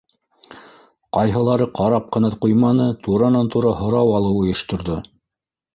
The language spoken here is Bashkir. Ҡайһылары ҡарап ҡына ҡуйманы, туранан-тура һорау алыу ойошторҙо: